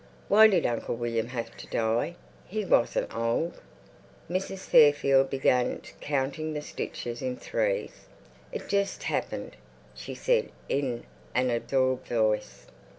"Why did Uncle William have to die? He wasn't old." Mrs. Fairfield began counting the stitches in threes. "It just happened," she said in an absorbed voice.